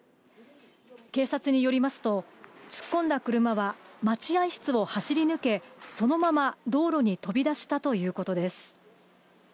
警察によりますと、突っ込んだ車は待合室を走り抜け、そのまま道路に飛び出したということです。